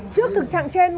trước thực trạng trên